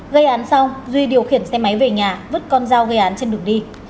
gây án xong duy điều khiển xe máy về nhà vứt con dao gây án trên đường đi